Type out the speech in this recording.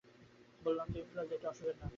বললাম তো ইনফ্লুয়েঞ্জা একটা অসুখের নাম।